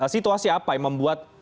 situasi apa yang membuat